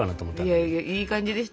いやいやいい感じでしたよ。